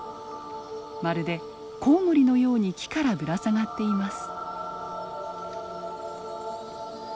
まるでコウモリのように木からぶら下がっています。